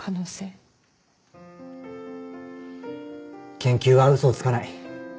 研究は嘘をつかない。